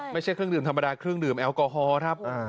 ไม่ใช่เครื่องดื่มธรรมดาเครื่องดื่มแอลกอฮอล์ครับ